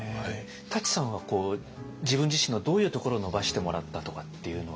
舘さんはこう自分自身のどういうところを伸ばしてもらったとかっていうのは。